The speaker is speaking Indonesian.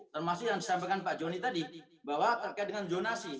termasuk yang disampaikan pak joni tadi bahwa terkait dengan zonasi